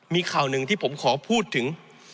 มีข่าวหนึ่งที่ผมขอพูดถึง